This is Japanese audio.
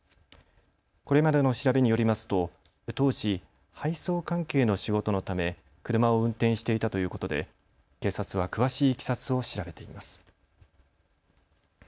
これまでの調べによりますと当時、配送関係の仕事のため車を運転していたということで警察は詳しいいきさつを調べています。